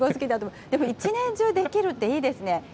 でも一年中できるっていいですね。